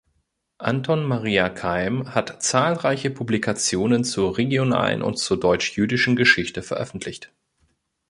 Anton Maria Keim hat zahlreiche Publikationen zur regionalen und zur deutsch-jüdischen Geschichte veröffentlicht.